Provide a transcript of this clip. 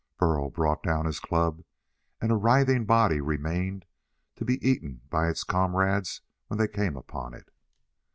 Burl brought down his club and a writhing body remained to be eaten by its comrades when they came upon it.